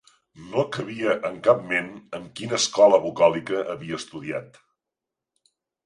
No cabia en cap ment en quina escola bucòlica havia estudiat.